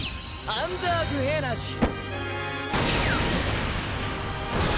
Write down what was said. アンダーグ・エナジー！